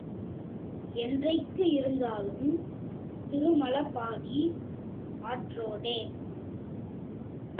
என்றைக்கு இருந்தாலும் திருமழபாடி ஆற்றோடே.